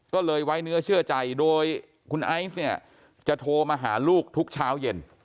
ก็เลยไว้เนื้อเชื่อใจโดยคุณไอซ์เนี่ยจะโทรมาหาลูกทุกเช้าเย็น